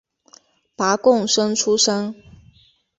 拔贡生出身。